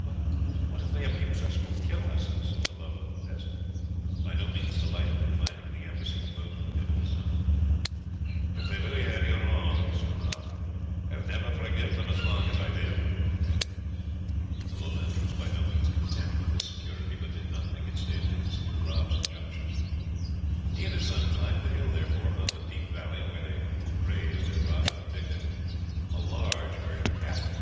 "But what if they abuse us, or kill us?" said the Lowland, peasant, by no means delighted at finding the embassy imposed on him and his son. "If they do you any wrong," said Rob, "I will never forgive them as long as I live." The Lowlander was by no means content with this security, but did not think it safe to dispute Rob's injunctions. [Illustration: Cattle Lifting 000] He and his son climbed the hill therefore, found a deep valley, where there grazed, as Rob had predicted, a large herd of cattle.